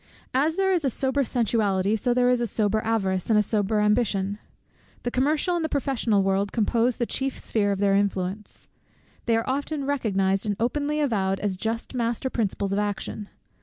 As there is a sober sensuality, so is there also a sober avarice, and a sober ambition. The commercial and the professional world compose the chief sphere of their influence. They are often recognized and openly avowed as just master principles of action.